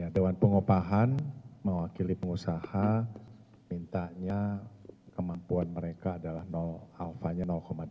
dewan pengupahan mewakili pengusaha mintanya kemampuan mereka adalah alphanya dua